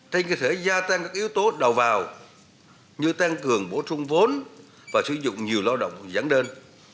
thay cơ thể gia tăng các yếu tố đầu vào như tăng cường bổ trung vốn và sử dụng nhiều lao động dẫn đơn